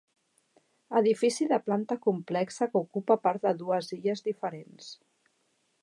Edifici de planta complexa que ocupa part de dues illes diferents.